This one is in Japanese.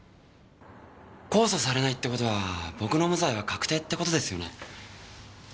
控訴されないってことは僕の無罪は確定ってことですよね？